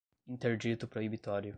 Interdito Proibitório